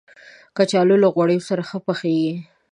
کچالو له غوړیو سره ښه پخیږي